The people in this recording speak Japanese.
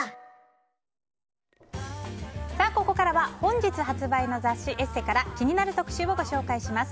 ここからは本日発売の雑誌「ＥＳＳＥ」から気になる特集をご紹介します。